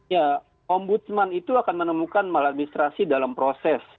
ya om budsman itu akan menemukan maladministrasi dalam proses